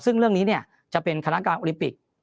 ซึ่งเรื่องนี้จะเป็นคณะการโอลิมปิก